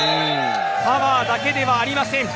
パワーだけではありません。